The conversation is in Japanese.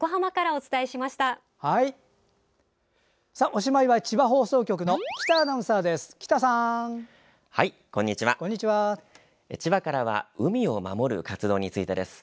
おしまいは千葉放送局の喜多アナウンサーです。